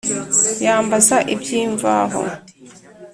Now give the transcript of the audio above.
Yambaza iby'imvaho